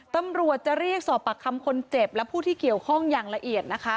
ตำรวจจะเรียกสอบปากคำคนเจ็บและผู้ที่เกี่ยวข้องอย่างละเอียดนะคะ